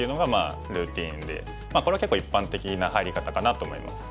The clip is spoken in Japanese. これは結構一般的な入り方かなと思います。